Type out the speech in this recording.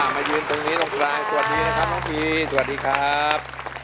มายืนตรงนี้ตรงกลางสวัสดีนะครับน้องพีสวัสดีครับ